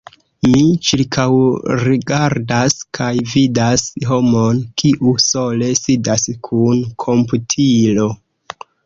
Mi ĉirkaŭrigardas, kaj vidas homon, kiu sole sidas kun komputilo.